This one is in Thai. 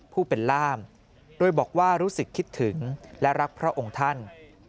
ผู้เป็นล่ามโดยบอกว่ารู้สึกคิดถึงและรักพระองค์ท่าน